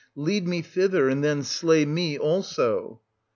Lead me thither, and then slay me also.